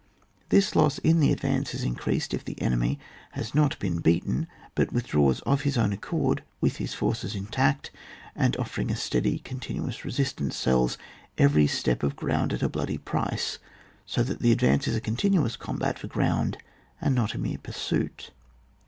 This loss in the advance is increased if the enemy has not been beaten, but withdraws of his own accord with his forces intact, and offering a steady con tinuous resistance, sells every step of ground at a bloody price, so that the advance is a continuous combat for ground and not a mere pursuit.